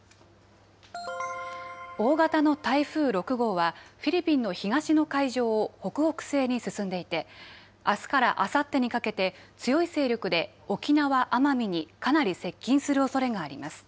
大型の台風６号は、フィリピンの東の海上を北北西に進んでいて、あすからあさってにかけて、強い勢力で沖縄・奄美にかなり接近するおそれがあります。